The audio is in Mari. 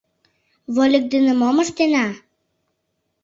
— Вольык дене мом ыштена?